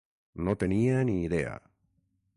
No tenia ni idea.